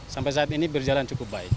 sampai saat ini berjalan cukup baik